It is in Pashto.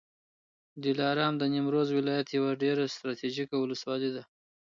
دلارام د نیمروز ولایت یوه ډېره ستراتیژیکه ولسوالي ده